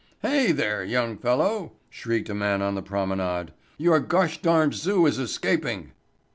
"Hey, there, young fellow," shrieked a man on the promenade. "You gosh darned zoo is escaping."